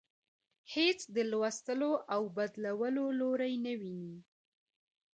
هیڅ د لوستلو او بدلولو لوری نه ويني.